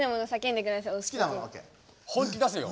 本気出せよ。